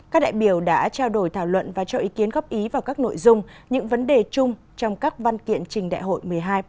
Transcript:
các đại biểu đã trao đổi thảo luận và cho ý kiến góp ý vào các nội dung những vấn đề chung trong các văn kiện trình đại hội một mươi hai